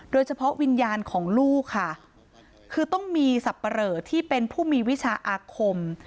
วิญญาณของลูกค่ะคือต้องมีสับปะเหลอที่เป็นผู้มีวิชาอาคม